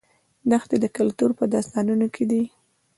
دښتې د کلتور په داستانونو کې دي.